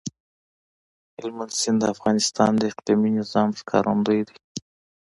هلمند سیند د افغانستان د اقلیمي نظام ښکارندوی ده.